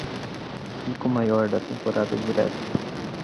Pico Maior da Temporada Direta